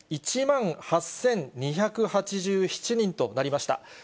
１万８２８７人となりました。